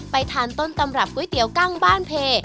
ทานต้นตำรับก๋วยเตี๋ยวกั้งบ้านเพ